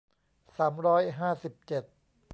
สามร้อยห้าสิบเจ็ด